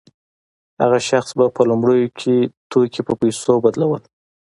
هغه شخص به په لومړیو کې توکي په پیسو بدلول